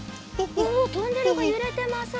おおトンネルがゆれてます。